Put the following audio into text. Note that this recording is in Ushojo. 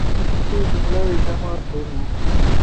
شنوٹے جمہ ئی جمع تھونو